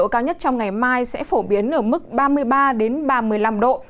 cao nhất trong ngày mai sẽ phổ biến ở mức ba mươi ba ba mươi năm độ